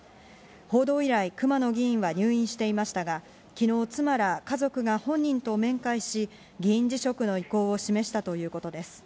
報道以来、熊野議員は入院していましたが昨日、妻ら家族が本人と面会し、議員辞職の意向を示したということです。